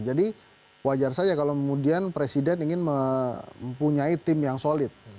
jadi wajar saja kalau kemudian presiden ingin mempunyai tim yang solid